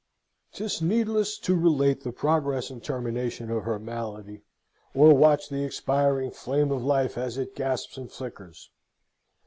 'Tis needless to relate the progress and termination of her malady, or watch that expiring flame of life as it gasps and flickers.